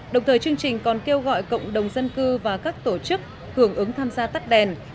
đồng thời chương trình còn kêu gọi cộng đồng dân cư và các tổ chức hưởng ứng tham gia tắt đèn